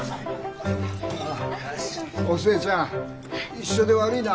お寿恵ちゃん一緒で悪いな。